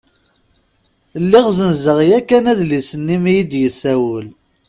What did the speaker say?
Lliɣ zzenzeɣ yakan adlis-nni mi yi-d-yessawel.